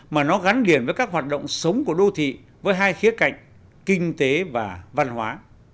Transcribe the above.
mà nó gắn liền với các hoạt động sống của đô thị với hai khía cạnh kinh tế và văn hóa